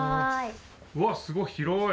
うわっすごい広い！